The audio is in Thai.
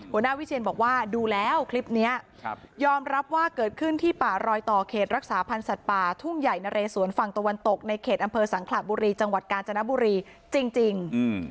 วิเชียนบอกว่าดูแล้วคลิปนี้ยอมรับว่าเกิดขึ้นที่ป่ารอยต่อเขตรักษาพันธ์สัตว์ป่าทุ่งใหญ่นะเรสวนฝั่งตะวันตกในเขตอำเภอสังขระบุรีจังหวัดกาญจนบุรีจริง